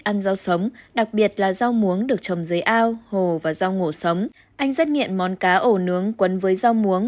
ăn rau sống đặc biệt là rau muống được trồng dưới ao hồ và rau mổ sống anh rất nghiện món cá ổ nướng quấn với rau muống